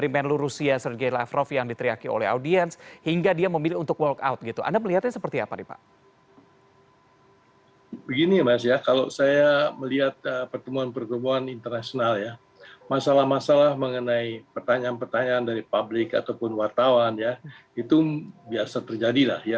pertanyaan dari publik ataupun wartawan itu biasa terjadilah